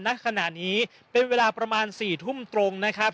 ณขณะนี้เป็นเวลาประมาณ๔ทุ่มตรงนะครับ